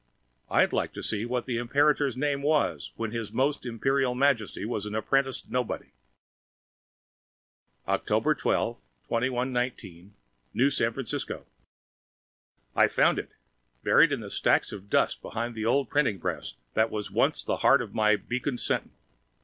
I'd like to see what the Imperator's name was when His Most Imperial Majesty was an apprenticed nobody! October 12, 2119 New San Francisco I found it! Buried in stacks of dust behind the old printing press that was once the heart of my Beacon Sentinel.